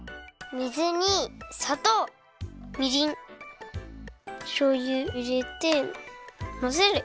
水にさとうみりんしょうゆをいれてまぜる！